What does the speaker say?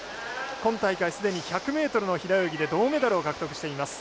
今大会、すでに１００ｍの平泳ぎで銅メダルを獲得しています。